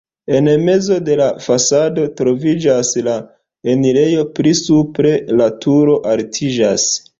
En mezo de la fasado troviĝas la enirejo, pli supre la turo altiĝas.